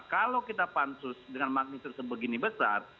kalau kita pansus dengan magnitude sebegini besar